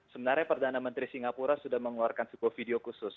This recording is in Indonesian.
sebenarnya perdana menteri singapura sudah mengeluarkan sebuah video khusus